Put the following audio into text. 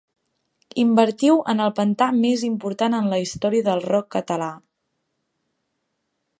Invertiu en el pantà més important en la història del rock català.